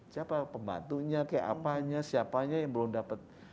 siapa pembantunya kayak apanya siapanya yang belum dapat